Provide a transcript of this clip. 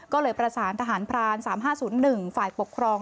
ก็เลยประสานทหารพราน๓๕๐๑ฝ่ายปกครอง